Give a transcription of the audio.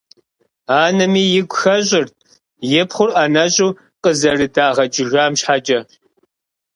Анэми игу хэщӏырт и пхъур ӏэнэщӏу къызэрыдагъэкӏыжам щхьэкӏэ.